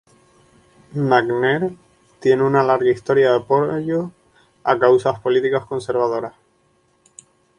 McNair tiene una larga historia de apoyo a causas políticas conservadoras.